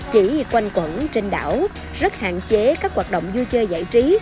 chỉ quanh quẩn trên đảo rất hạn chế các hoạt động vui chơi giải trí